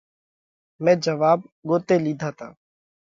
مئين جواٻ ڳوتي لِيڌا تا۔